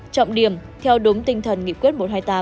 trọng điểm theo đúng tinh thần nghị quyết một trăm hai mươi tám